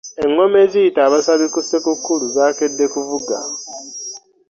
Eŋŋoma eziyita abasabi ku ssekukkulu zaakedde kuvuga.